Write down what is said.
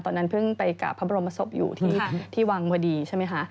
ตอนนั้นเพิ่งไปกราบพระบรมศพอยู่ที่วังวดีใช่ไหมคะ